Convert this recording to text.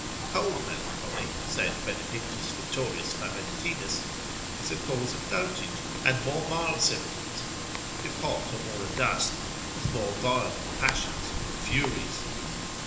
Cold melancholy (saith Benedic. Vittorius Faventinus pract. mag.) is a cause of dotage, and more mild symptoms, if hot or more adust, of more violent passions, and furies.